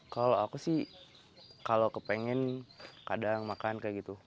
kalau aku sih kalau kepengen kadang makan kayak gitu